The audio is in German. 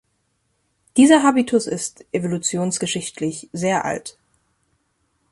Dieser Habitus ist evolutionsgeschichtlich sehr alt.